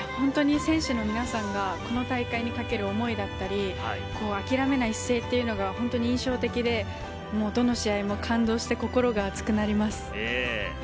選手の皆さんがこの大会にかける思いだったり、諦めない姿勢っていうのが印象的で、どの試合も感動して心が熱くなります。